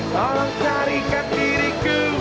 tolong carikan diriku